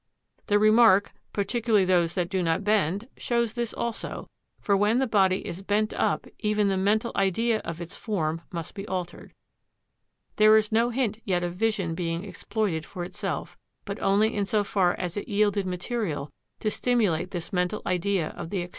The remark "particularly those that do not bend" shows this also, for when the body is bent up even the mental idea of its form must be altered. There is no hint yet of vision being exploited for itself, but only in so far as it yielded material to stimulate this mental idea of the exterior world.